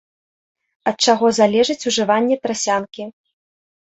Ад чаго залежыць ужыванне трасянкі.